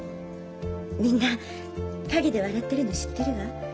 みんな陰で笑ってるの知ってるわ。